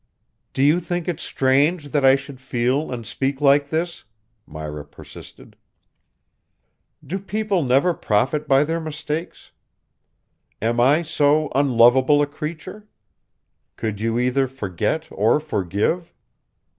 "Do you think it's strange that I should feel and speak like this?" Myra persisted. "Do people never profit by their mistakes? Am I so unlovable a creature? Couldn't you either forget or forgive?"